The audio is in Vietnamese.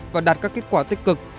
và đạt các kết quả tích cực